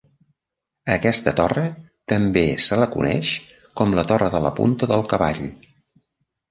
A aquesta torre també se la coneix com la Torre de la punta del Cavall.